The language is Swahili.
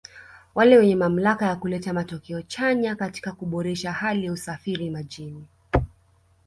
wale wenye mamlaka ya kuleta matokeo chanya katika kuboresha hali ya usafiri majini